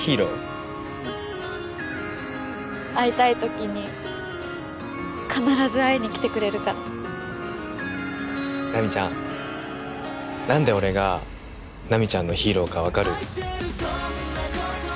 うん会いたい時に必ず会いに来てくれるから奈未ちゃん何で俺が奈未ちゃんのヒーローか分かる？